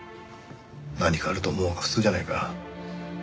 何かあると思うのが普通じゃないか。